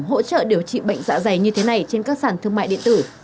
hỗ trợ điều trị bệnh dạ dày như thế này trên các sản thương mại điện tử